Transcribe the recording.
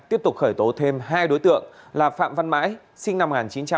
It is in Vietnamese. tiếp tục khởi tố thêm hai đối tượng là phạm văn mãi sinh năm một nghìn chín trăm tám mươi